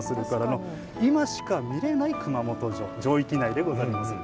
今しか見れない熊本城城域内でござりまする。